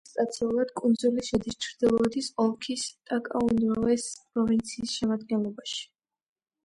ადმინისტრაციულად კუნძული შედის ჩრდილოეთის ოლქის ტაკაუნდროვეს პროვინციის შემადგენლობაში.